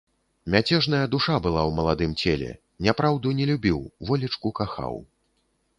Мяцежная душа была ў маладым целе, няпраўду не любіў, волечку кахаў.